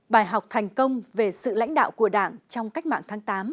bài học thành công về sự lãnh đạo của đảng trong cách mạng tháng tám